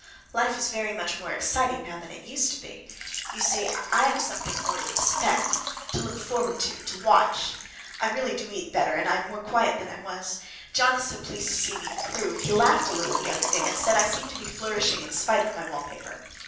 Life is very much more exciting now than it used to be. You see I have something more to expect, to look forward to, to watch. I really do eat better, and am more quiet than I was. John is so pleased to see me improve! He laughed a little the other day, and said I seemed to be flourishing in spite of my wallpaper.